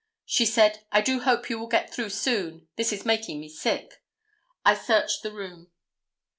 She said: "I do hope you will get through soon, this is making me sick." I searched the room."